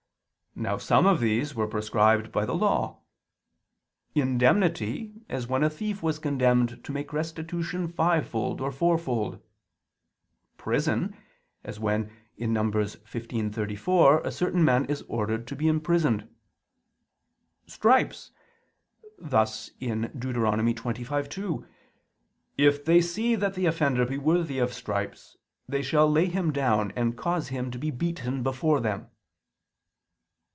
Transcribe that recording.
Now some of these were prescribed by the Law. "Indemnity," as when a thief was condemned to make restitution fivefold or fourfold. "Prison," as when (Num. 15:34) a certain man is ordered to be imprisoned. "Stripes"; thus (Deut. 25:2), "if they see that the offender be worthy of stripes; they shall lay him down, and shall cause him to be beaten before them."